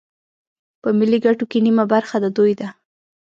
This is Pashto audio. په ملي ګټو کې نیمه برخه د دوی ده